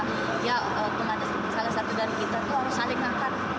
ya kalau ada salah satu dari kita tuh harus saling angkat